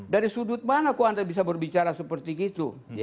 dari sudut mana kok anda bisa berbicara seperti itu